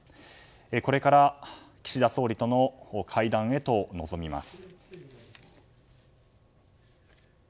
これから岸田総理との会談へと臨みます。